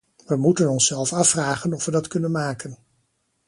We moeten onszelf afvragen of we dat kunnen maken.